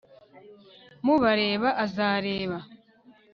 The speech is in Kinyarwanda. Mubareba azareba